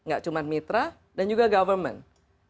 gak cuma mitra dan juga government